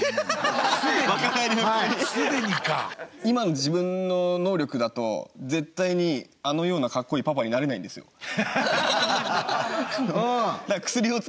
今の自分の能力だと絶対にあのようなカッコいいパパになれないんですよ。